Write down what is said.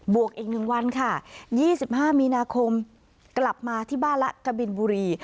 บวกอีกหนึ่งวันค่ะยี่สิบห้ามีนาคมกลับมาที่บ้านละกะบินบุรี